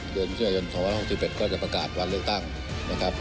เดือนมิถุนายน๒๖๑ก็จะประกาศวันเลือกตั้งนะครับ